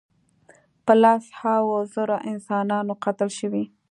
په لس هاوو زره انسانان قتل شول.